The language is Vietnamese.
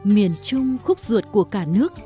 miền trung khúc ruột của cả nước